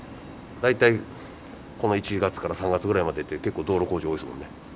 大体この１月から３月ぐらいまでって結構道路工事多いっすもんね。